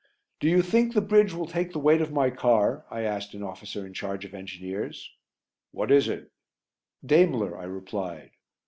"Do you think the bridge will take the weight of my car?" I asked an officer in charge of engineers. "What is it?" "Daimler," I replied.